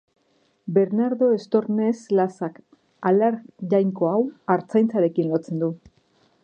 Bernardo Estornes Lasak Alar Jainko hau artzaintzarekin lotzen du.